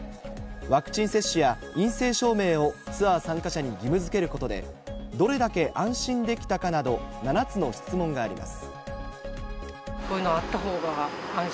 ワクチン接種や陰性証明をツアー参加者に義務づけることで、どれだけ安心できたかなど７つの質問があります。